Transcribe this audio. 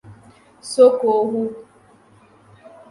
The concept for this season is "More Than Meets The Eye".